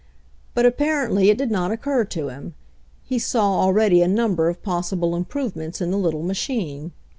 But apparently it did not, occur to him. He saw already a number of possible improvements in the little machine.